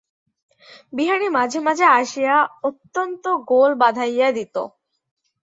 বিহারী মাঝে মাঝে আসিয়া অত্যন্ত গোল বাধাইয়া দিত।